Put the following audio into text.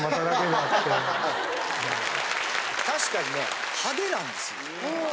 確かにね派手なんですよ。